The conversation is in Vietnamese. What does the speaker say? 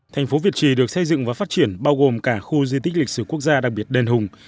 thành phố việt trì được xây dựng và phát triển bao gồm cả khu di tích lịch sử quốc gia đặc biệt đền hùng